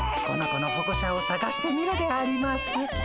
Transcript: この子のほごしゃをさがしてみるであります。